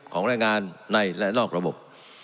แรงงานในและนอกระบบ